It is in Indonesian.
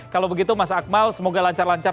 kalau begitu mas akmal semoga lancar lancar